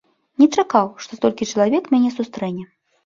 Не чакаў, што столькі чалавек мяне сустрэне.